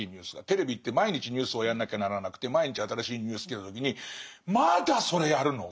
テレビって毎日ニュースをやんなきゃならなくて毎日新しいニュースきた時にまだそれやるの？